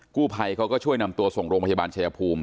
กู้ภัยเขาก็ช่วยนำตัวส่งโรงพยาบาลชายภูมิ